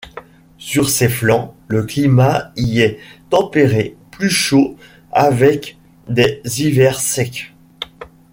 Sur ses flancs, le climat y est tempéré, plus chaud avec des hivers secs.